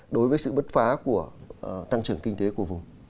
đối với sự bất phá của tăng trưởng kinh tế của vùng